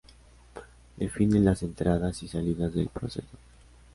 Define las entradas y salidas del proceso